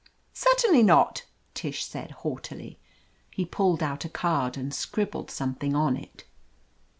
"Certainly not," Tish said haughtily. He pulled out a card and scribbled some thing on it.